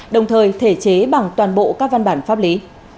đồng thời thể chế bằng toàn bộ các văn bản pháp lý